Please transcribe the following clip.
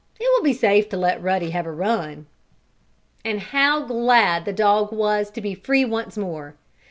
It will be safe to let Ruddy have a run." And how glad the dog was to be free once more!